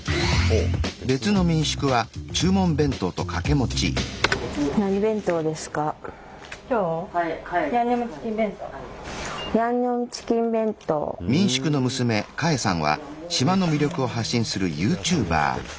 うん。